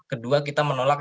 kedua kita menolak